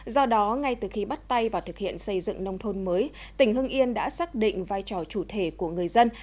do đó ngay từ khi bắt tay vào thực hiện xây dựng nông thôn mới tỉnh hưng yên đã xác định vai trò chủ thể của người dân